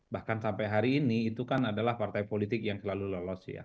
bahkan sampai hari ini itu kan adalah partai politik yang selalu lolos ya